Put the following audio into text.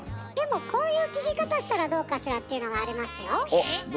でもこういう聞き方したらどうかしらっていうのがありますよ。え？